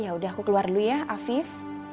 yaudah aku keluar dulu ya afif